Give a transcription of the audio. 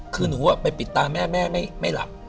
คือหนูไปปิดตาแม่แม่ไม่หลับ